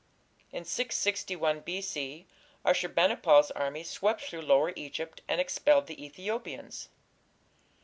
In 661 B.C. Ashur bani pal's army swept through Lower Egypt and expelled the Ethiopians.